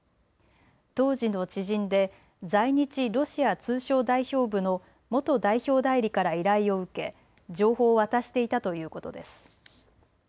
当時の知人で在日ロシア通商代表部の元代表代理から依頼を受け情報を渡していたということです。